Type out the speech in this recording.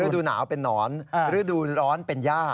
ดูหนาวเป็นนอนฤดูร้อนเป็นย่า